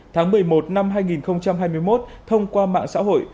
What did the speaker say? tháng một mươi một năm hai nghìn hai mươi một thông qua mạng xã hội